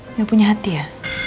enggak punya hati ya